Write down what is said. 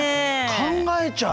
考えちゃう。